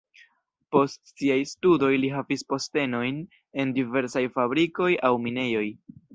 Post siaj studoj li havis postenojn en diversaj fabrikoj aŭ minejoj.